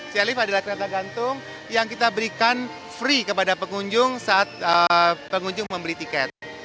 saya lift adalah kereta gantung yang kita berikan free kepada pengunjung saat pengunjung membeli tiket